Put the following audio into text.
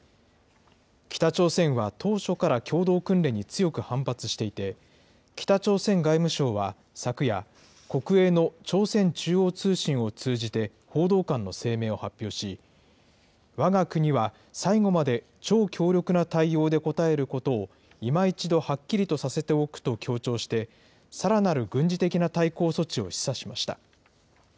北朝鮮は当初から共同訓練に強く反発していて、北朝鮮外務省は昨夜、国営の朝鮮中央通信を通じて、報道官の声明を発表し、わが国は最後まで超強力な対応で応えることを、いま一度はっきりさせておくと強調して、さらなる軍事的な対抗措置を示唆しました。